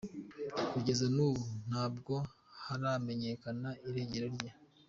Kugeza n’ubu, ntabwo haramenyekana irengero rye.